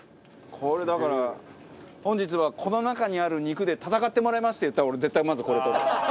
これだから「本日はこの中にある肉で戦ってもらいます」って言ったら俺絶対まずこれ取る。